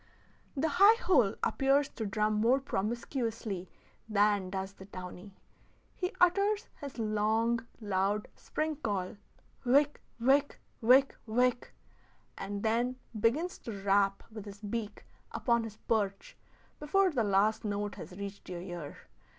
The high hole appears to drum more promiscuously than does the downy. He utters his long, loud spring call, whick whick whick whick, and then begins to rap with his beak upon his perch before the last note has reached your ear.